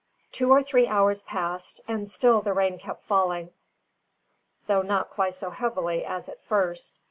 Two or three hours passed, and still the rain kept falling, though not quite so heavily as at first.